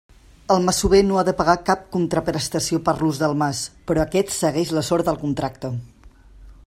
El masover no ha de pagar cap contraprestació per l'ús del mas, però aquest segueix la sort del contracte.